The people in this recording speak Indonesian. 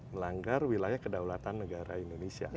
melanggar wilayah kedaulatan negara indonesia